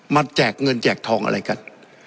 แจกเงินแจกทองอะไรกัน